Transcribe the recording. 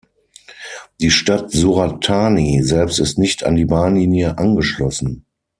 Die Stadt Surat Thani selbst ist nicht an die Bahnlinie angeschlossen.